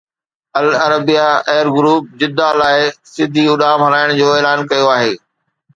العربيه air group Jeddah لاءِ سڌي اڏام هلائڻ جو اعلان ڪيو آهي